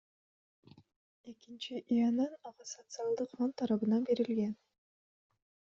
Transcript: Экинчи ИНН ага Социалдык фонд тарабынан берилген.